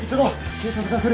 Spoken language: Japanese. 警察が来る。